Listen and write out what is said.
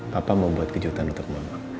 papa mau buat kejutan untuk mama